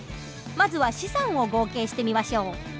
まずは資産を合計してみましょう。